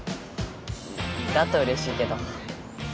だと嬉しいけど